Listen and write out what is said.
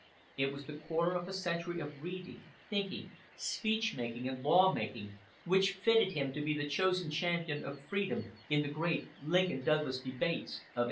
It was the quarter of a century of reading, thinking, speech making and lawmaking which fitted him to be the chosen champion of freedom in the great Lincoln Douglas debates of 1858.